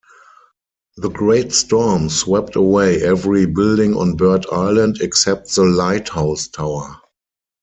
The great storm swept away every building on Bird Island except the lighthouse tower.